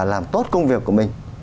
để mà làm tốt công việc của mình